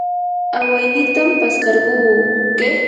awaynitam paskarquu.